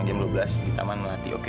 jam dua belas di taman melati oke